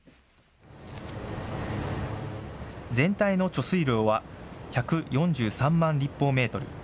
全体の貯水量は１４３万立方メートル。